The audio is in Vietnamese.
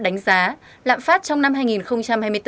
đánh giá lạm phát trong năm hai nghìn hai mươi bốn